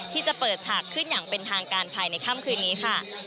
ที่จะเปิดฉากขึ้นอย่างเป็นทางการภายในค่ำคืนนี้ค่ะ